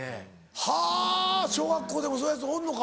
はぁ小学校でもそういうヤツおるのか。